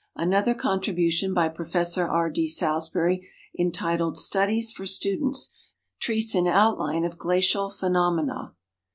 Another con tribution by Prof. R. D. Salisbury, entitled "Studies for Students," treats in ontline of glacial phenomena.